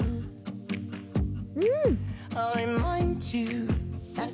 うん！